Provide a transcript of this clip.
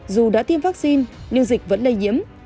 dù đã tiêm vaccine nhưng dịch vẫn lây nhiễm